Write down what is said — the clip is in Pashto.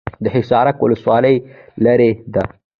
د حصارک ولسوالۍ لیرې ده